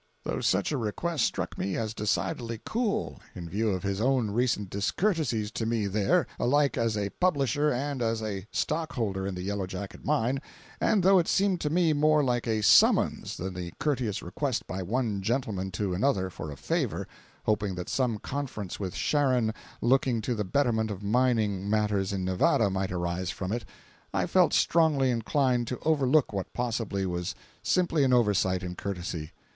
Though such a request struck me as decidedly cool in view of his own recent discourtesies to me there alike as a publisher and as a stockholder in the Yellow Jacket mine, and though it seemed to me more like a summons than the courteous request by one gentleman to another for a favor, hoping that some conference with Sharon looking to the betterment of mining matters in Nevada might arise from it, I felt strongly inclined to overlook what possibly was simply an oversight in courtesy.